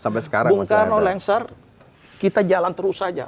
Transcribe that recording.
bung karno lengser kita jalan terus saja